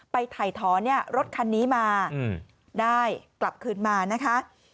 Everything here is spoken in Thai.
ไปถ่ายถอนรถคันนี้มาได้กลับคืนมานะคะ